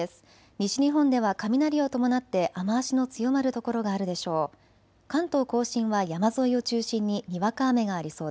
西日本では雷を伴って雨足の強まる所があるでしょう。